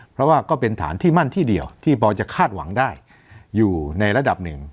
เพราะว่าก็เป็นฐานที่มั่นที่เดียวที่พอจะคาดหวังได้อยู่ในระดับหนึ่ง